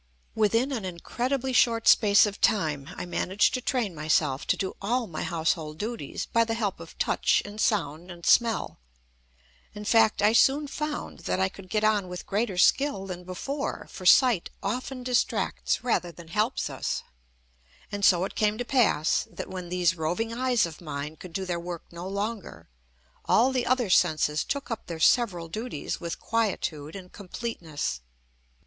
Within an incredibly short space of time I managed to train myself to do all my household duties by the help of touch and sound and smell. In fact I soon found that I could get on with greater skill than before. For sight often distracts rather than helps us. And so it came to pass that, when these roving eyes of mine could do their work no longer, all the other senses took up their several duties with quietude and completeness.